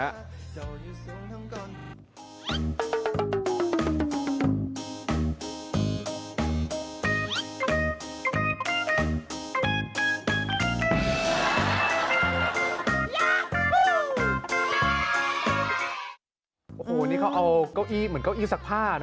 โอ้โหนี่เขาเอาเก้าอี้เหมือนเก้าอี้ซักผ้านะ